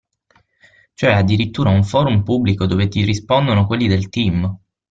Cioè addirittura un forum pubblico dove ti rispondono quelli del team!